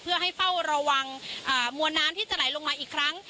เพื่อให้เฝ้าระวังมวลน้ำที่จะไหลลงมาอีกครั้ง